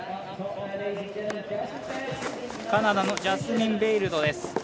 カナダのジャスミン・ベイルドです。